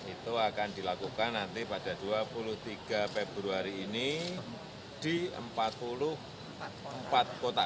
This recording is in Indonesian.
itu akan dilakukan nanti pada dua puluh tiga februari ini di empat puluh empat kota